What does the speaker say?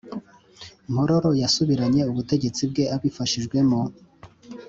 mpororo yasubiranye ubutegetsi bwe abifashijwemo